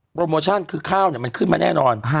โมชั่นคือข้าวมันขึ้นมาแน่นอน